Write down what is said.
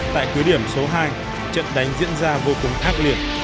tại cứ điểm số hai trận đánh diễn ra vô cùng ác liệt